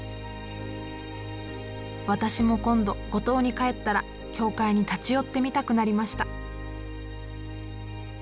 私も今度五島に帰ったら教会に立ち寄ってみたくなりました。